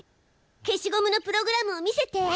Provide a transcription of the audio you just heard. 消しゴムのプログラムを見せて。